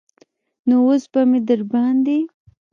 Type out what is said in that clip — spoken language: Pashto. نو اوس به مې درباندې.